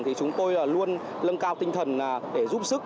thì chúng tôi luôn lân cao tinh thần để giúp sức